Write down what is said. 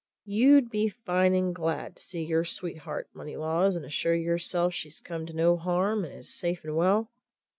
"You'd be fine and glad to see your sweetheart, Moneylaws, and assure yourself that she's come to no harm, and is safe and well?"